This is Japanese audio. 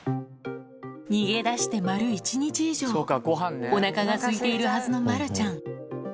逃げ出して丸一日以上お腹がすいているはずのまるちゃん